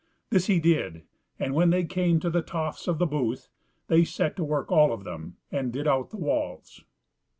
This he did, and when they came to the tofts of the booth, they set to work all of them, and did out the walls.